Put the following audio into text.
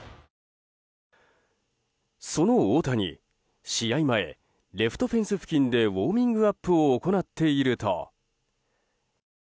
その大谷、試合前レフトフェンス付近でウォーミングアップを行っていると。